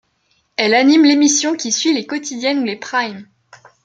Elle anime l'émission qui suit les quotidiennes ou les primes.